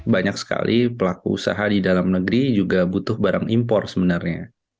banyak sekali pelaku usaha di dalam negeri juga butuh barang impor sebenarnya